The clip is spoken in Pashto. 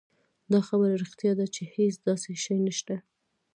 دا خبره رښتيا ده چې هېڅ داسې شی نشته.